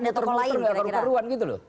jangan terlalu peruan gitu loh